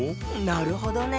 なるほどね。